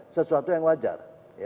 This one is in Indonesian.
sesuatu yang wajar